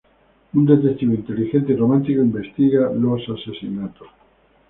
Un detective inteligente y romántico investiga los asesinatos.